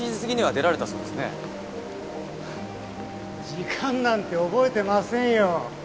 時間なんて覚えてませんよ。